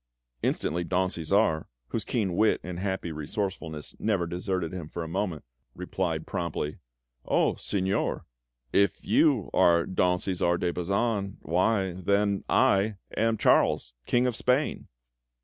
Instantly Don Cæsar, whose keen wit and happy resourcefulness never deserted him for a moment, replied promptly: "Oh Signor, if you are Don Cæsar de Bazan, why, then, I am Charles, King of Spain!"